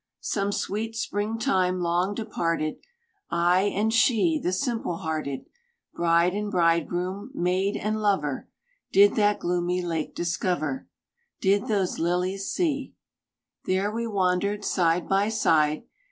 Some sweet spring time long departed, I and she, the simple hearted, Bride and bridegroom, maid and lover, Did that gloomy lake discover, Did those lilies see. There we wandered side by side.